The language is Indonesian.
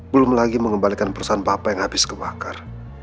belum lagi mengembalikan perusahaan papa yang habis kebakar